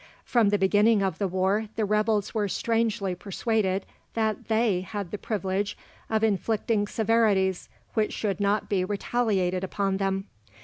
From the beginning of the war, the rebels were strangely persuaded that they had the privilege of inflicting severities which should not be retaliated upon them.